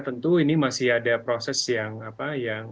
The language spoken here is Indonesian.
tentu ini masih ada proses yang